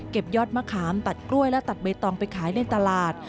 ยอดมะขามตัดกล้วยและตัดใบตองไปขายในตลาด